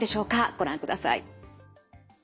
ご覧ください。